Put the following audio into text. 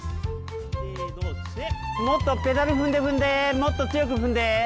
もっとペダル踏んで踏んでもっと強く踏んで。